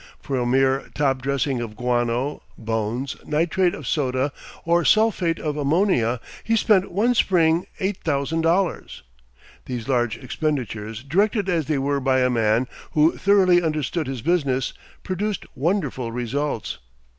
For a mere top dressing of guano, bones, nitrate of soda, or sulphate of ammonia, he spent one spring eight thousand dollars. These large expenditures, directed as they were by a man who thoroughly understood his business, produced wonderful results.